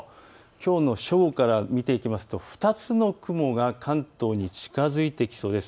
きょうの正午から見ていきますと２つの雲が関東に近づいてきそうです。